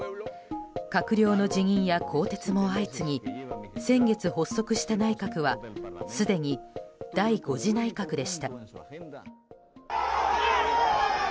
閣僚の辞任や更迭も相次ぎ先月発足した内閣はすでに第５次内閣でした。